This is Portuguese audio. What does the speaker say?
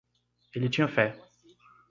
Ele tinha fé.